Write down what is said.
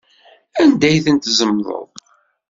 Anda ay ten-tzemḍeḍ?